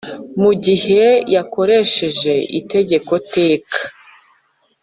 Mu gihe yakoresheje itegeko teka